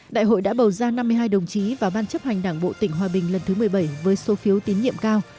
đại hội đã bầu ra năm mươi hai đồng chí vào ban chấp hành đảng bộ tỉnh hòa bình lần thứ một mươi bảy với số phiếu tín nhiệm cao